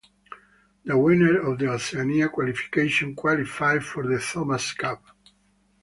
The winner of the Oceania qualification qualified for the Thomas Cup.